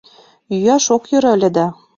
Йӱаш ок йӧрӧ ыле да...